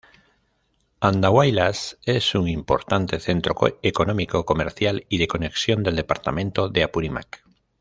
Andahuaylas es un importante centro económico, comercial y de conexión del departamento de Apurímac.